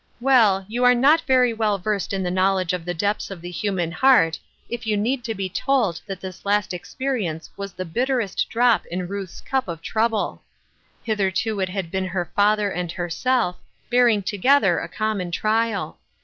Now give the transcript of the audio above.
Well, you are not very well versed in the knowledge of the depths of the human heart, if you need to be told that this last experience was the bitterest drop in Ruth's cup of trouble. Hitherto it had been her father and herself, bearing together a common trial.